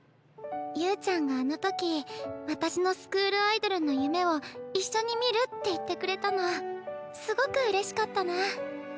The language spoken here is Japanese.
侑ちゃんがあの時私のスクールアイドルの夢を一緒にみるって言ってくれたのすごくうれしかったなあ。